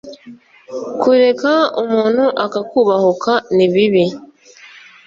kureka umuntu akakubahuka ni bibi